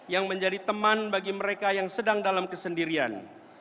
yang menjadi teman bagi mereka yang sedang dalam kesendirian